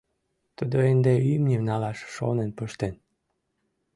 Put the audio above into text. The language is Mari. Тудо ынде имньым налаш шонен пыштен.